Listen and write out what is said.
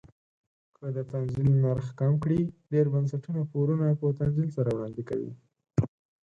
که د تنزیل نرخ کم کړي ډیر بنسټونه پورونه په تنزیل سره وړاندې کوي.